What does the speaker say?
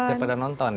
biar pada nonton ya